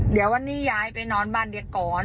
เดี๋ยววันนี้ยายไปนอนบ้านเดียก่อน